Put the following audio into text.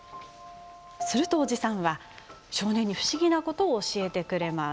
すると、おじさんは少年に不思議なことを教えてくれます。